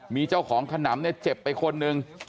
มีเจ้าของขนำเนี่ยเจ็บไปคนหนึ่ง